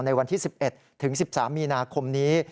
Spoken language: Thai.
ในวันที่๑๑ถึง๑๓มีนาคมนี้